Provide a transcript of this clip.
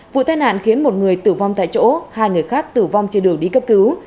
vụ tai nạn khiến một người tử vong tại chỗ hai người khác tử vong trên đường đi cấp cứu